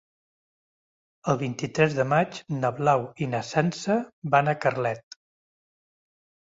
El vint-i-tres de maig na Blau i na Sança van a Carlet.